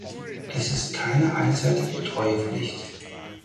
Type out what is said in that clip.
Es ist keine einseitige Treuepflicht.